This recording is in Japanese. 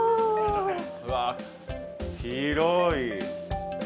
うわっ広い。